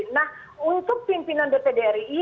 nah untuk pimpinan dpd ri